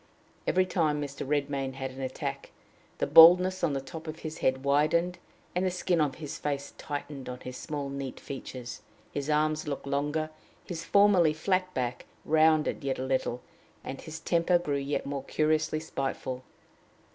Every time Mr. Redmain had an attack, the baldness on the top of his head widened, and the skin of his face tightened on his small, neat features; his long arms looked longer; his formerly flat back rounded yet a little; and his temper grew yet more curiously spiteful.